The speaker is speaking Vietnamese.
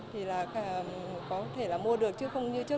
thì có thể mua được chứ không như trước